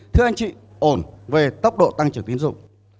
thưa anh chị ổn về tốc độ tăng trưởng tín dụng